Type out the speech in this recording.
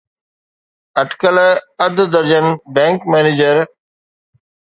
اٽڪل اڌ درجن بئنڪ مئنيجر